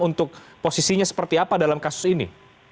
untuk posisinya seperti apa dalam kasus ini